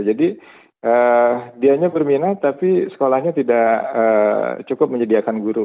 jadi dianya berminat tapi sekolahnya tidak cukup menyediakan guru